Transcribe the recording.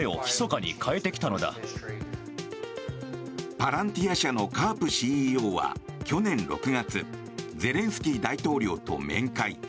パランティア社のカープＣＥＯは去年６月ゼレンスキー大統領と面会。